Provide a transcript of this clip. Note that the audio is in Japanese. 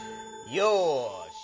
よし！